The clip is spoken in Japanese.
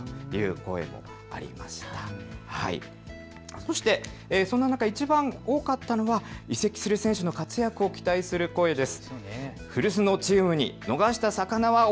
そしてそんな中、いちばん多かったのは移籍する選手の活躍を期待する声です。